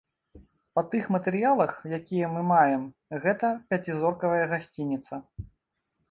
Па тых матэрыялах, якія мы маем, гэта пяцізоркавая гасцініца.